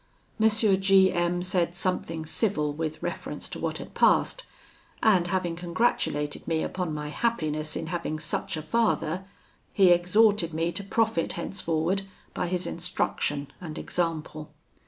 M. G M said something civil with reference to what had passed; and having congratulated me upon my happiness in having such a father, he exhorted me to profit henceforward by his instruction and example.